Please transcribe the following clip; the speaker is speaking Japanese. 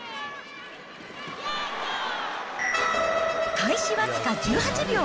開始僅か１８秒。